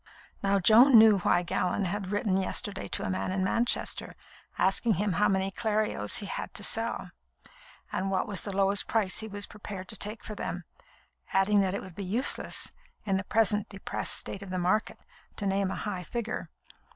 Now Joan knew why Gallon had written yesterday to a man in Manchester, asking him how many Clerios he had to sell, and what was the lowest price he was prepared to take for them, adding that it would be useless, in the present depressed state of the market, to name a high figure.